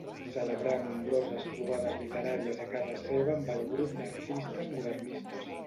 Celebrà nombroses trobades literàries a casa seva amb el grup d'artistes modernistes.